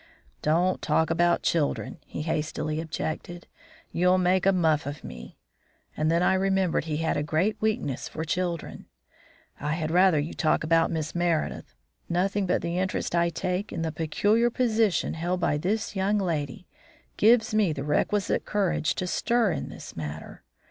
"Don't talk about children," he hastily objected. "You'll make a muff of me," and then I remembered he had a great weakness for children. "I had rather you'd talk about Miss Meredith. Nothing but the interest I take in the peculiar position held by this young lady gives me the requisite courage to stir in this matter.